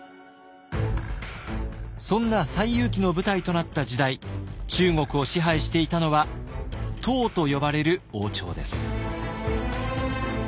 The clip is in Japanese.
そんな「西遊記」の舞台となった時代中国を支配していたのは唐と呼ばれる王朝です。